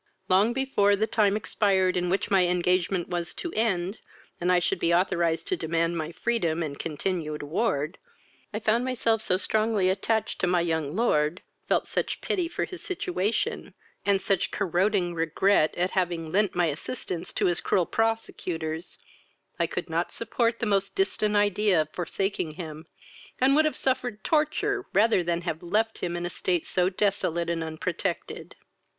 Long before the time expired in which my engagement was to end, and I should be authorised to demand my freedom and continued award, I found myself so strongly attached to my young lord, felt such pity for his situation, and such corroding regret at having lent my assistance to his cruel prosecutors, I could not support the most distant idea of forsaking him, and would have suffered torture rather than have left him in a state so desolate and unprotected.